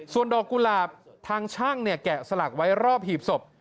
ส่วนดอกกุหลาบทางช่างเนี่ยแกะสลักไว้รอบหีบศพ